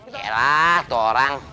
jelas tuh orang